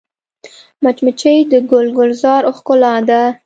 مچمچۍ د ګل ګلزار ښکلا ده